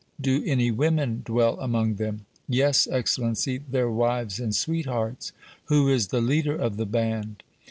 "Do any women dwell among them?" "Yes, Excellency, their wives and sweethearts." "Who is the leader of the band?"